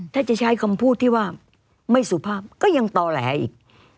ถ้าจะใช้คำพูดที่ว่าไม่สุภาพก็ยังต่อแหลอีก